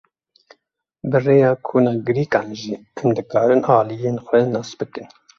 Bi rêya kuna gêrîkan jî em dikarin aliyên xwe nas bikin.